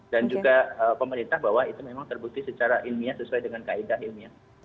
dan juga pemerintah bahwa itu memang terbukti secara ilmiah sesuai dengan kaedah ilmiah